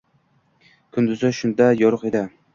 Kunduzi shunda yorug’ edi.